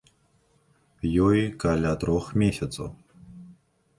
Ёй каля трох месяцаў.